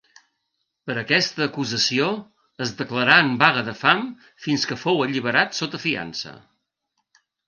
Per aquesta acusació es declarà en vaga de fam fins que fou alliberat sota fiança.